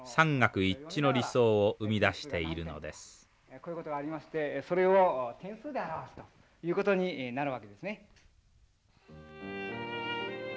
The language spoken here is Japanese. こういうことがありましてそれを点数で表すということになるわけですね。